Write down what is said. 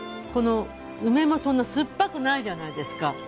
この梅もそんな酸っぱくないじゃないですか。